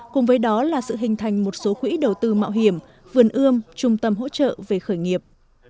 cùng với đó là sự hình thành một số quỹ đầu tư mạo hiểm vườn ươm trung tâm hỗ trợ về khởi nghiệp